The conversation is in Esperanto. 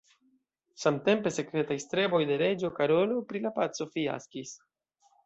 Samtempe sekretaj streboj de reĝo Karolo pri la paco fiaskis.